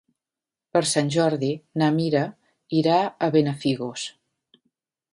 Per Sant Jordi na Mira irà a Benafigos.